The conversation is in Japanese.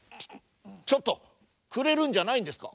ちょっとくれるんじゃないんですか？